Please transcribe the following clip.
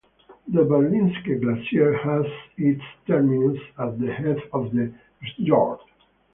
The Berlingske Glacier has its terminus at the head of the fjord.